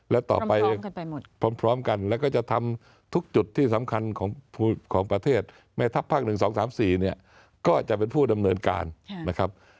มีจะมีการเริ่มต้นที่เมืองกาลที่หลาดบุรีและต่อไปพร้อมกันแล้วก็จะทำทุกจุดที่สำคัญของประเทศแม่ทัพภาค๑๒๓๔เนี่ยก็จะเป็นผู้ดำเนินการนะครับ